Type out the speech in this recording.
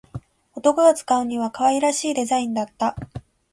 男が使うには可愛らしいデザインだった